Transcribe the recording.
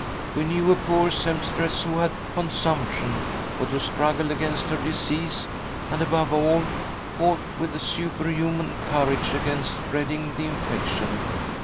We knew a poor sempstress who had consumption, but who struggled against her disease, and, above all, fought with superhuman courage against spreading the infection.